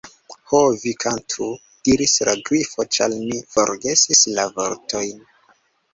"Ho, vi kantu," diris la Grifo, "ĉar mi forgesis la vortojn."